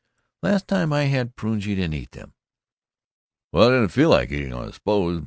"The last time I had prunes you didn't eat them." "Well, I didn't feel like eating 'em, I suppose.